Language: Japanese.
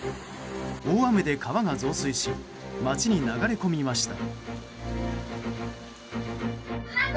大雨で川が増水し街に流れ込みました。